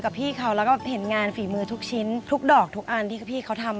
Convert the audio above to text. พี่เขาแล้วก็เห็นงานฝีมือทุกชิ้นทุกดอกทุกอันที่พี่เขาทำ